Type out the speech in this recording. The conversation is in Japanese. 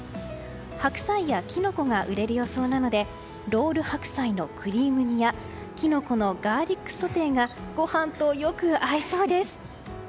白菜やキノコが売れる予想なのでロール白菜のクリーム煮やキノコのガーリックソテーがご飯とよく合いそうです。